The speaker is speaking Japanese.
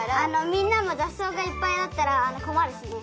みんなもざっそうがいっぱいあったらこまるしね。